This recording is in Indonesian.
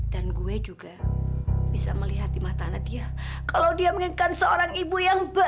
dan gue juga bisa melihat di mata nadia kalau dia menginginkan seorang ibu yang baik